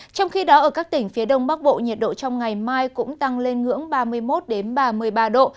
trong khi đó ở các tỉnh phía đông bắc bộ nhiệt độ trong ngày mai cũng tăng lên ngưỡng ba mươi một ba mươi ba độ